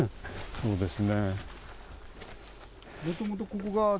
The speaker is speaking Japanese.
そうですね。